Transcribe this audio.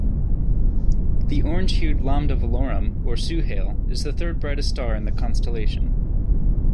The orange-hued Lambda Velorum, or Suhail, is the third-brightest star in the constellation.